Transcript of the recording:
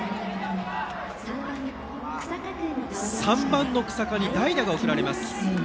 ３番の日下に代打が送られます。